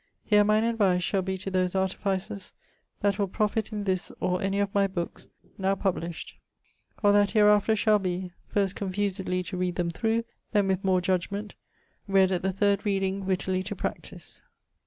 Here mine advice shall be to those artificers, that will profit in this or any of my bookes ☞ now published, or that hereafter shall be, first confusedly to read them through, then with more judgement, read at the third reading wittily to practise.